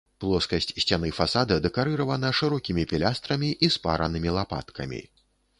Плоскасць сцяны фасада дэкарыравана шырокімі пілястрамі і спаранымі лапаткамі.